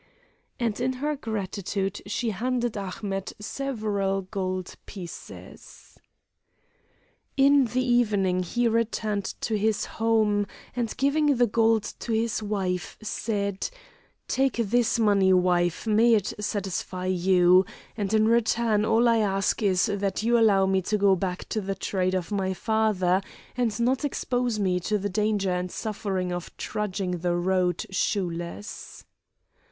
And in her gratitude she handed Ahmet several gold pieces. In the evening he returned to his home, and giving the gold to his wife, said: "Take this money, wife; may it satisfy you, and in return all I ask is that you allow me to go back to the trade of my father, and not expose me to the danger and suffering of trudging the road shoeless."